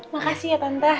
makasih ya tante